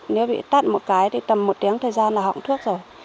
nếu bị tắt một cái thì tầm một tiếng thời gian là họng thuốc rồi